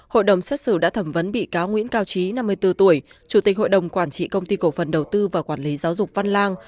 hội đồng xét xử đã thẩm vấn bị cáo nguyễn cao trí năm mươi bốn tuổi chủ tịch hội đồng quản trị công ty cổ phần đầu tư và quản lý giáo dục văn lang